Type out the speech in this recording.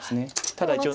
ただ一応。